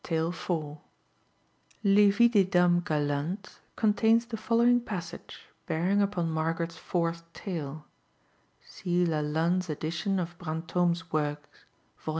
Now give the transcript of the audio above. Les Vies des Dames galantes contains the following passage bearing upon Margaret's 4th Tale. See Lalanne's edition of Brantôme's Works, vol.